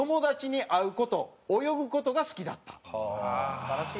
素晴らしい。